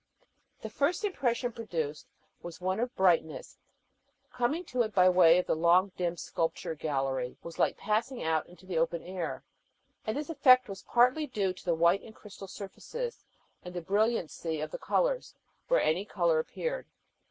The first impression produced was one of brightness: coming to it by way of the long, dim sculpture gallery was like passing out into the open air, and this effect was partly due to the white and crystal surfaces and the brilliancy of the colors where any color appeared.